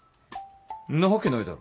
んなわけないだろ。